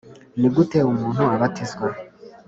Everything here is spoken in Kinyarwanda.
Ni gute umuntu abatizwa